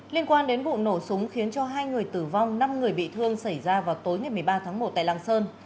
liên quan đến vụ nổ súng khiến cho hai người tử vong năm người bị thương xảy ra vào tối ngày một mươi ba tháng một tại làng sơn